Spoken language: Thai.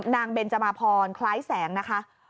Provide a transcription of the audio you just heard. นางเบนจมภรคล้ายแสงนะคะ